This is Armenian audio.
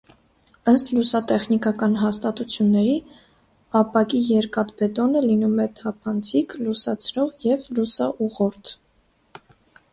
Ըստ լուսատեխնիկական հատկությունների, ապակիերկաթբետոնը լինում է թափանցիկ, լուսացրող և լուսաուղղորդ։